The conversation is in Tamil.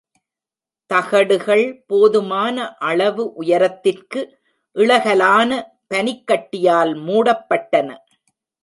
தகடுகள் போதுமான அளவு உயரத்திற்கு இளகலான பனிக்கட்டியால் மூடப்பட்டன.